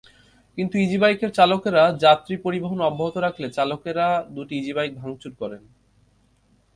কিন্তু ইজিবাইকের চালাকেরা যাত্রী পরিবহন অব্যাহত রাখলে চালকেরা দুটি ইজিবাইক ভাঙচুর করেন।